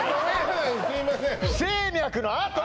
すいません